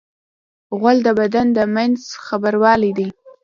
غول د بدن د منځ خبروالی دی.